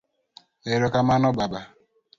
Ero kamano Baba.